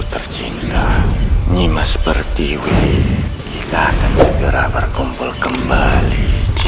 tercinta nyimah seperti wih kita akan segera berkumpul kembali